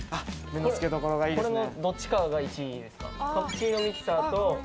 これのどっちかが１位ですか？